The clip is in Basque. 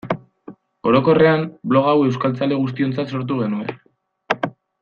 Orokorrean, blog hau euskaltzale guztiontzat sortu genuen.